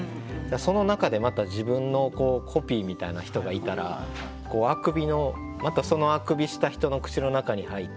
その中でまた自分のコピーみたいな人がいたらあくびのまたそのあくびした人の口の中に入ってみたいな。